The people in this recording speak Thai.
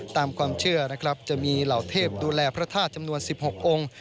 ตามความเชื่อนะครับจะมีเหล่าเทพดูแลพระธาตุจำนวน๑๖องค์